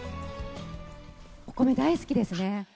お米大好きですね。